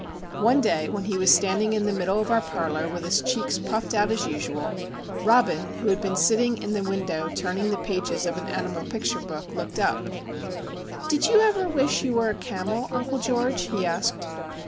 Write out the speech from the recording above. One day when he was standing in the middle of our parlour with his cheeks puffed out as usual, Robin, who had been sitting in the window turning the pages of an animal picture book, looked up. "Did you ever wish you were a camel, Uncle George?" he asked.